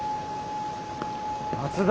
松田。